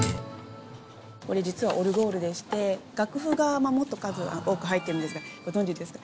これ実はオルゴールでして楽譜がもっと数多く入ってるんですがご存じですか？